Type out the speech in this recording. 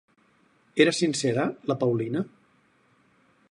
Era sincera la Paulina?